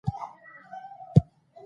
پیر اغوستې ګودړۍ وه ملنګینه